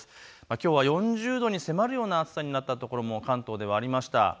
きょうは４０度に迫るような暑さになった所も関東ではありました。